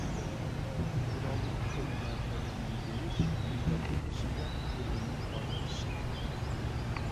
بىراۋنىڭ تونىدا تەرلەيمەن دېيىش، ۋىجدانلىق كىشىگە بىر ئۆمۈر ئار ئىش.